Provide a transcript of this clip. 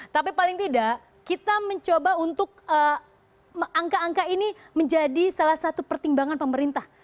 tapi paling tidak kita mencoba untuk angka angka ini menjadi salah satu pertimbangan pemerintah